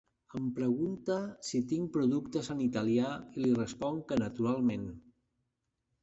Em pregunta si tinc productes en italià i li responc que naturalment.